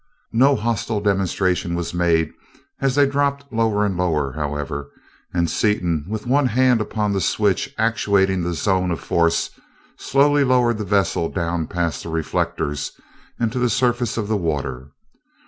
No hostile demonstration was made as they dropped lower and lower, however, and Seaton, with one hand upon the switch actuating the zone of force, slowly lowered the vessel down past the reflectors and to the surface of the water.